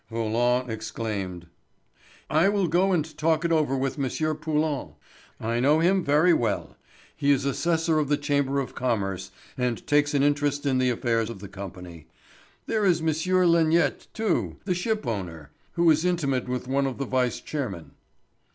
Roland exclaimed: "I will go and talk it over with M. Poulin: I know him very well. He is assessor of the Chamber of Commerce and takes an interest in the affairs of the Company. There is M. Lenient, too, the ship owner, who is intimate with one of the vice chairmen."